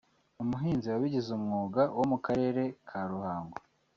umuhinzi wabigize umwuga wo mu Karere ka Ruhango